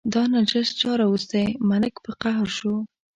دا نجس چا راوستی، ملک په قهر شو.